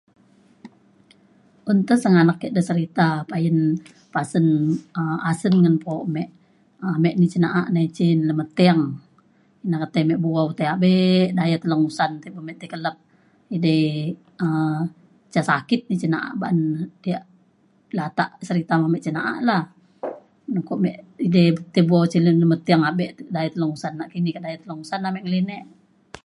un ta sengganak ke serita payen pasen um asen ngan po me um ame ni cin na’a nai cin lemeting. ina ketai me tai bu’au pabe daya Telang Usan tai pa me kelap edei um ca sakit cin na’a uban yak latak serita me ame cin na’a lah kok me edei tai bu’au cin lemeting abe daya Telang Usan nakini kak daya Telang Usan ame ngelinek.